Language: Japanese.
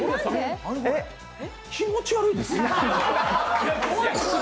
気持ち悪いです。